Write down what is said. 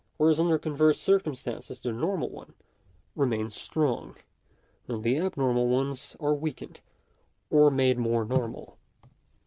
Whereas under converse circumstances the normal one remains strong, and the abnormal ones are weakened, or made more / normal.